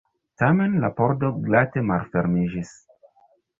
Tamen la pordo glate malfermiĝis.